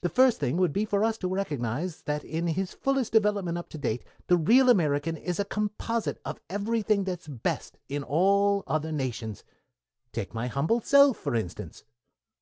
The first thing would be for us to recognize that in his fullest development up to date the real American is a composite of everything that is best in all other nations. Take my humble self for instance."